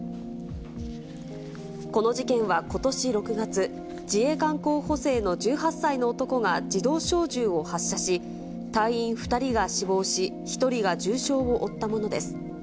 この事件はことし６月、自衛官候補生の１８歳の男が自動小銃を発射し、隊員２人が死亡し、１人が重傷を負ったものです。